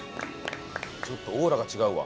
ちょっとオーラが違うわ。